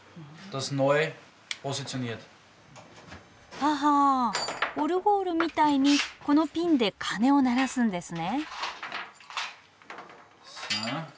ははオルゴールみたいにこのピンで鐘を鳴らすんですね。